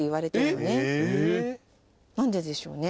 何ででしょうね。